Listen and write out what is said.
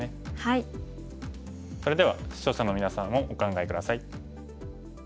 それでは視聴者のみなさんもお考え下さい。